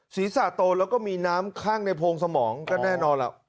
ศีรษะโตแล้วก็มีน้ำข้างในโพงสมองก็แน่นอนล่ะ